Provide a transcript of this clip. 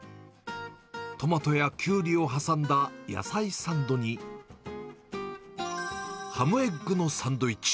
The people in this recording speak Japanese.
トマトやきゅうりを挟んだ野菜サンドに、ハムエッグのサンドイッチ。